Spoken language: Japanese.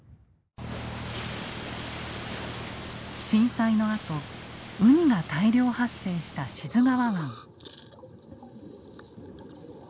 震災のあとウニが大量発生した志津川湾。